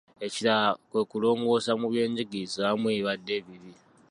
Ekirala kwe kulongoosa mu byenjigiriza awamu ebibadde ebibi.